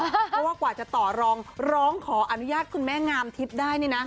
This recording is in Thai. เพราะว่ากว่าจะต่อรองร้องขออนุญาตคุณแม่งามทิพย์ได้